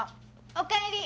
おかえり。